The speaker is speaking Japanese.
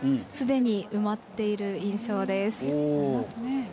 すでに埋まっている印象です。